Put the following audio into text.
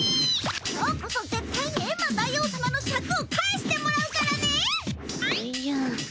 今日こそぜっ対にエンマ大王様のシャクを返してもらうからね！